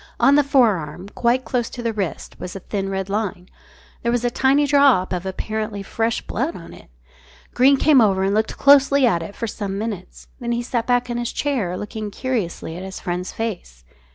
On the forearm, quite close to the wrist, was a thin red line. There was a tiny drop of apparently fresh blood on it. Greene came over and looked closely at it for some minutes. Then he sat back in his chair, looking curiously at his friend's face.